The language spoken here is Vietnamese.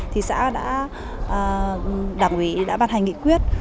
thì xã đã đảng ủy đã ban hành nghị quyết